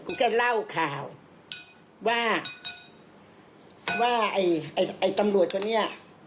กูแค่เล่าข่าวว่าว่าไอ้ไอ้ไอ้ตำรวจตัวเนี้ย